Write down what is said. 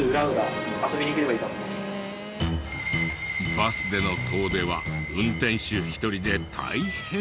バスでの遠出は運転手１人で大変！